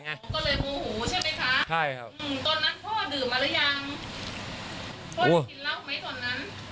แหงะใช่ครับต้นนั้นพ่อดื่มมาหรือยัง